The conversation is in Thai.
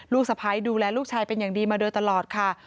สะพ้ายดูแลลูกชายเป็นอย่างดีมาโดยตลอดค่ะ